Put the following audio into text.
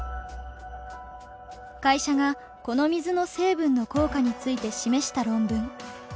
会社がこの水の成分の効果について示した論文。